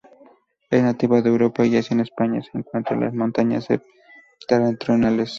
Es nativa de Europa y Asia, en España se encuentra en las montañas septentrionales.